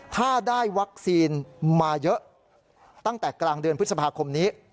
ถ้าได้วัคซีนมาเยอะตั้งแต่กลางเดือนพฤษภาคมนี้